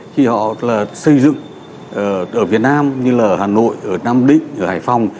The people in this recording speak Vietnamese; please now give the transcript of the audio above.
thì họ là xây dựng ở việt nam như là ở hà nội ở nam định ở hải phòng